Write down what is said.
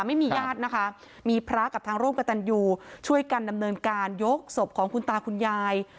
ไม่มีญาตินะคะมีพระกับทางร่วมกับตันยูช่วยกันดำเนินการยกศพของคุณตาคุณยาย